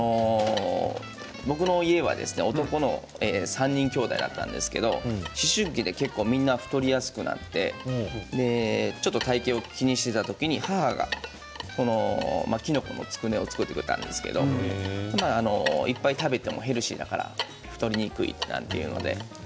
僕の家は男の３人兄弟だったんですけれど思春期で結構みんな太りやすくなってちょっと体型を懸念していた時に母が、このきのこのつくねを作ってくれたんですけれどいっぱい食べてもヘルシーだから太りにくいなんていうんで。